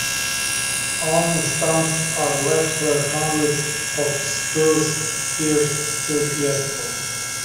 Only stumps are left where hundreds of spruce firs stood yesterday.